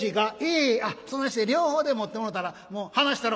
「ええ。あっそないして両方で持ってもろうたらもう離したろ」。